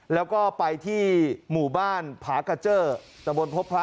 แล้วก็ไปที่หมู่บ้านผากาเจอร์ตะบนพบพระ